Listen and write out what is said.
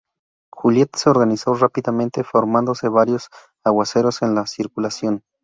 Juliette se organizó rápidamente formándose varios aguaceros en la circulación.